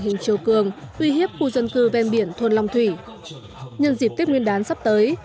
trạng nổi cường uy hiếp khu dân cư ven biển thuần long thủy nhân dịp tết nguyên đán sắp tới